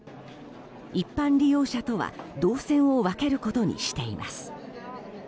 一般利用者とは動線を分けることにしています。